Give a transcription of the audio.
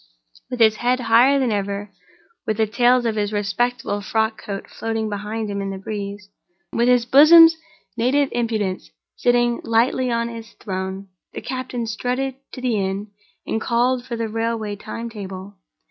With his head higher than ever, with the tails of his respectable frock coat floating behind him in the breeze, with his bosom's native impudence sitting lightly on its throne, the captain strutted to the inn and called for the railway time table.